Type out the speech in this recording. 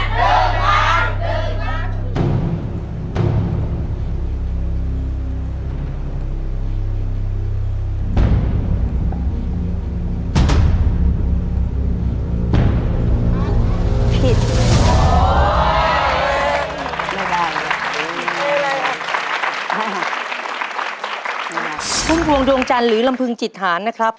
พุ่มพวงดวงจันทร์หรือลำพึงจิตฐานนะครับ